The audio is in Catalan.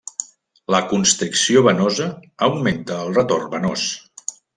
La constricció venosa augmenta el retorn venós.